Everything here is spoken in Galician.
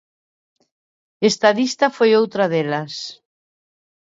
'Estadista' foi outra delas.